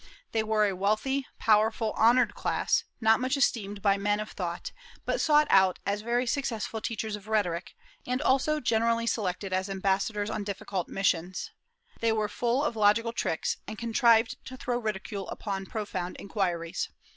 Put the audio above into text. They were a wealthy, powerful, honored class, not much esteemed by men of thought, but sought out as very successful teachers of rhetoric, and also generally selected as ambassadors on difficult missions. They were full of logical tricks, and contrived to throw ridicule upon profound inquiries.